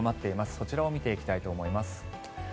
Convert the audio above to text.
そちらを見ていきたいと思います。